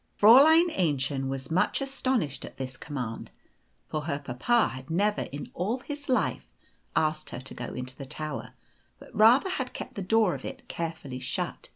Fräulein Aennchen was much astonished at this command, for her papa had never in all his life asked her to go into the tower, but rather had kept the door of it carefully shut.